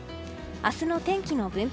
明日の天気の分布